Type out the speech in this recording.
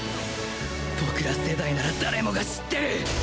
僕ら世代なら誰もが知ってる